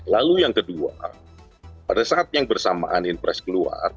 lalu yang kedua pada saat yang bersamaan inpres keluar